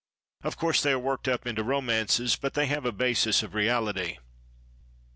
Of course they are worked up into romances, but they have a basis of reality.